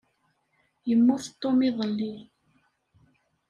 Yemmut Tom iḍelli.